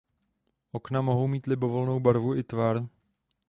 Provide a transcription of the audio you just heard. Okna mohou mít libovolnou barvu i tvar.